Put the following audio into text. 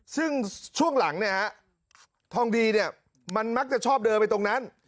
ซึ่งช่วงหลังเนี่ยฮะทองดีเนี่ยมันมักจะชอบเดินไปตรงนั้น